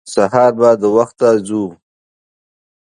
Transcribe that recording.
سهار به د وخته ځو.